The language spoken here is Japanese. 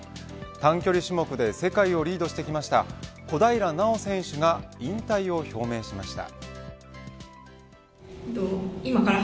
短距離種目で世界をリードしてきた小平奈緒選手が引退を表明しました。